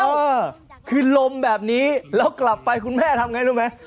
เออคือลมแบบนี้แล้วกลับไปคุณแม่ทำไงรู้ไหม